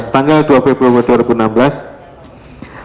tanggal dua februari dua ribu enam belas